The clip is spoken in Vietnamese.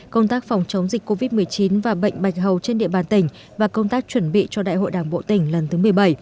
công tác phòng chống dịch covid một mươi chín và bệnh bạch hầu trên địa bàn tỉnh và công tác chuẩn bị cho đại hội đảng bộ tỉnh lần thứ một mươi bảy